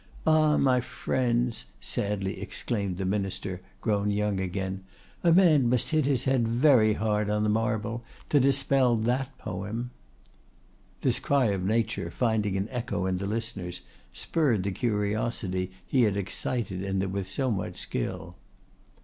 Ah! my friends!" sadly exclaimed the Minister, grown young again, "a man must hit his head very hard on the marble to dispel that poem!" This cry of nature, finding an echo in the listeners, spurred the curiosity he had excited in them with so much skill.